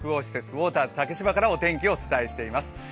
ウォーターズ竹芝からお天気をお伝えしています。